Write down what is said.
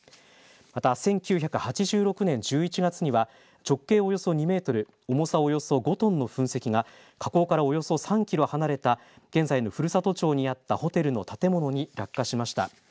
また１９８６年１１月には直径およそ２メートル、重さおよそ５トンの噴石が火口からおよそ３キロ離れた現在の古里町にあったホテルの建物に落下しました。